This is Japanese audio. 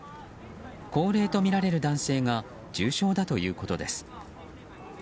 高齢とみられる男性が重傷だということです。